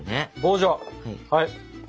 はい。